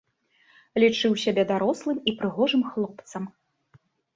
Лічыў сябе дарослым і прыгожым хлопцам.